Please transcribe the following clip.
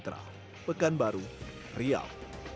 dan mencium korban